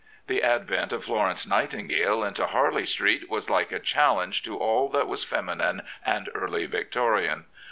The advent of Florence Nightingale into Harley Street was like a challenge to all that was feminine and Early Victorian.